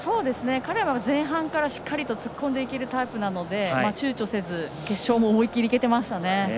彼は前半からしっかり突っ込んでいけるタイプなので、ちゅうちょせず決勝も思い切りいけてましたね。